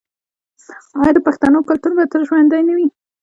آیا د پښتنو کلتور به تل ژوندی نه وي؟